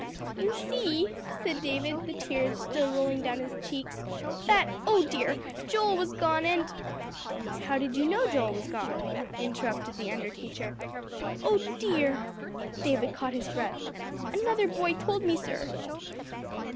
"You see," said David, the tears still rolling down his cheeks, "that oh dear! Joel was gone, and " "How did you know Joel was gone?" interrupted the under teacher. "Oh dear!" David caught his breath. "Another boy told me, sir."